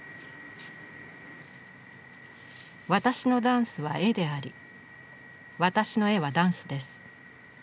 私のダンスは絵であり私の絵はダンスです。